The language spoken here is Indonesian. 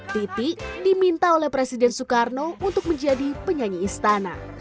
titi diminta oleh presiden soekarno untuk menjadi penyanyi istana